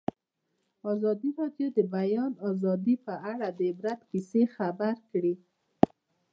ازادي راډیو د د بیان آزادي په اړه د عبرت کیسې خبر کړي.